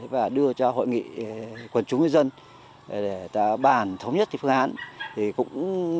và đưa cho hội nghị quần chúng dân để bàn thống nhất phương án